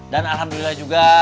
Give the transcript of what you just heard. dan alhamdulillah juga